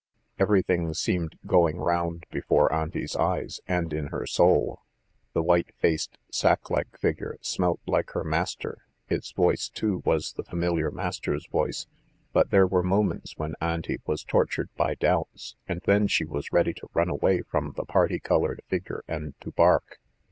Everything seemed going round before Auntie's eyes and in her soul. The white faced, sack like figure smelt like her master, its voice, too, was the familiar master's voice, but there were moments when Auntie was tortured by doubts, and then she was ready to run away from the parti coloured figure and to bark.